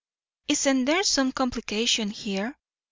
Isn't there some complication here?'